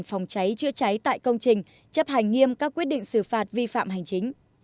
phòng cháy chữa cháy tại công trình chấp hành nghiêm các quyết định xử phạt vi phạm hành chính